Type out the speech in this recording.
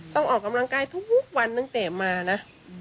ออกกำลังกายทุกวันตั้งแต่มานะ